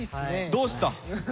どうした？